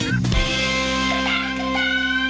สวัสดีค่ะ